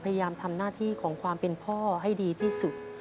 พยายามทำหน้าที่ของความเป็นพ่อให้ดีที่สุด